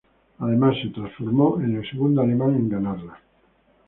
Además se transformó en el segundo alemán en ganarla.